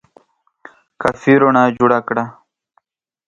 کافي رڼا جوړه کړه !